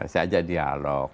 saya ajak dialog